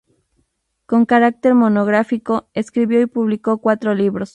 Con carácter monográfico, escribió y publicó cuatro libros.